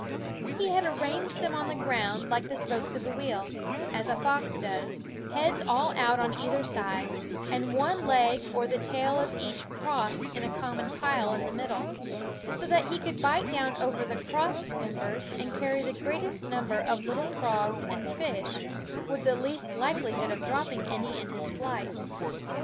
He had arranged them on the ground like the spokes of a wheel, as a fox does, heads all out on either side, and one leg or the tail of each crossed in a common pile in the middle ; so that he could bite down over the crossed members and carry the greatest number of little frogs and fish with the least likelihood of dropping any in his flight.